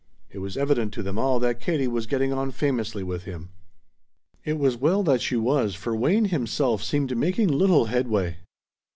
It was evident to them all that Katie was getting on famously with him. It was well that she was, for Wayne himself seemed making little headway.